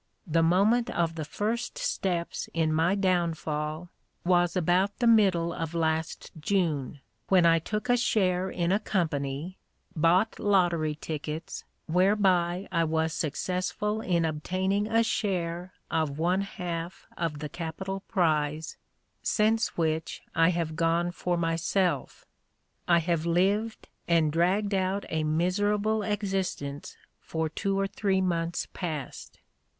The moment of the first steps in my downfall was about the middle of last June, when I took a share in a company, bought lottery tickets whereby I was successful in obtaining a share of one half of the capital prize, since which I have gone for myself. I have lived and dragged out a miserable existence for two or three months past.